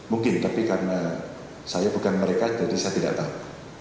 mungkin tapi karena saya bukan mereka jadi saya tidak tahu